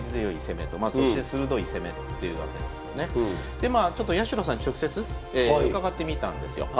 でまあ八代さんに直接伺ってみたんですよ。